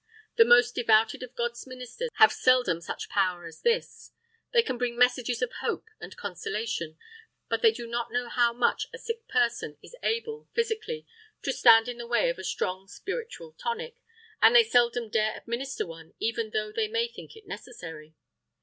The most devoted of God's ministers have seldom such power as this. They can bring messages of hope and consolation, but they do not know how much a sick person is able, physically, to stand in the way of a strong spiritual tonic, and they seldom dare administer one, even though they may think it necessary.